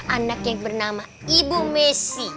anak yang bernama ibu messi